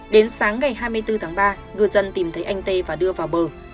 đến sáng ngày hai mươi bốn tháng ba ngư dân tìm thấy anh tê và đưa vào bờ